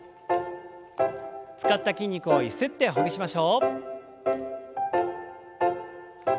使った筋肉をゆすってほぐしましょう。